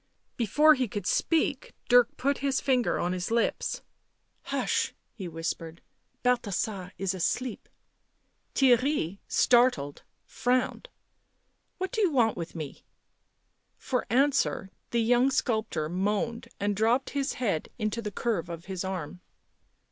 Before he could speak Dirk put his finger on his lips. u Hush," he whispered, " Balthasar is asleep." Theirry, startled, frowned. " What do you want with me ?" For answer the young sculptor moaned, and dropped his head into the curve of his arm.